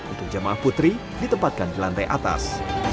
untuk jemaah putri ditempatkan di lantai atas